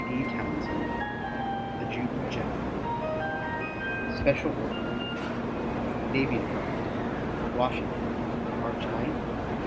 D. TOWNSEND, Adjutant General. SPECIAL ORDER. NAVY DEPARTMENT, Washington, March 9, 1874.